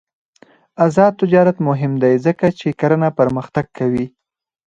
آزاد تجارت مهم دی ځکه چې کرنه پرمختګ کوي.